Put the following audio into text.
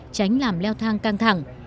tránh làm leo thang căng thẳng